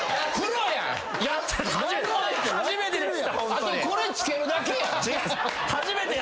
あとこれつけるだけや。